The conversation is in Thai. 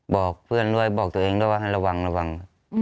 บอกเพื่อนร่วยบอกตัวเองว่าให้ระวัง